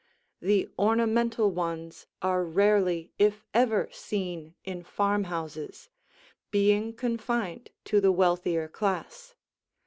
The ornamental ones are rarely if ever seen in farmhouses, being confined to the wealthier class.